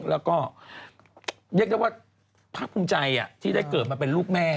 แล้วก็เรียกได้ว่าภาคภูมิใจที่ได้เกิดมาเป็นลูกแม่